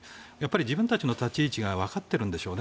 自分たちの立ち位置がわかっているんでしょうね。